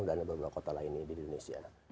dan beberapa kota lainnya di indonesia